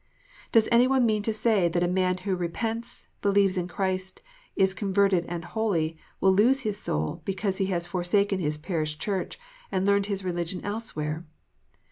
Does any one mean to say that a man who repents, believes in Christ, is converted and holy, will lose his soul, because he has forsaken his parish church and learned his religion elsewhere